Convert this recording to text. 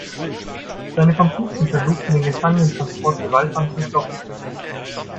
Seine Komplizen versuchten den Gefangenentransport gewaltsam zu stoppen.